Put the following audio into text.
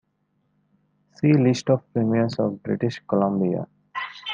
See List of premiers of British Columbia.